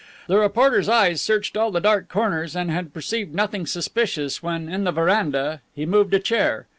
The reporter's eyes searched all the dark corners and had perceived nothing suspicious when, in the veranda, he moved a chair.